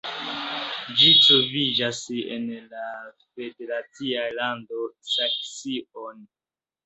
Ĝi troviĝas en la la federacia lando Saksio.